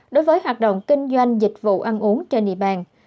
đối với hoạt động kinh doanh dịch vụ ăn uống trên địa bàn